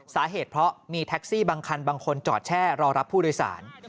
สาเหตุเพราะมีแท็กซี่บางคันบางคนจอดแช่รอรับผู้โดยสาร